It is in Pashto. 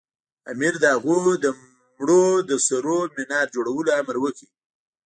امیر د هغوی د مړو د سرونو منار جوړولو امر وکړ.